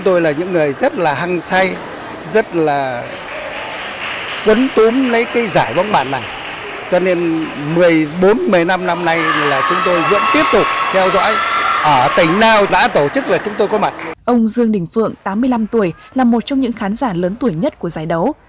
ông dương đình phượng tám mươi năm tuổi là một trong những khán giả lớn tuổi nhất của giải đấu